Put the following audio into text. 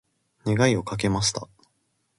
願いをかけました。